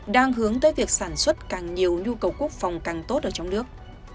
đang hướng tới việc sản xuất càng nhiều nhu cầu quốc phòng càng tốt ở trong nước